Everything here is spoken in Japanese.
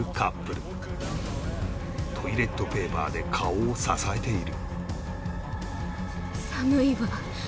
トイレットペーパーで顔を支えている